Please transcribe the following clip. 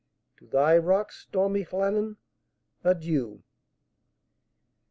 To thy rocks, stormy Llannon, adieu!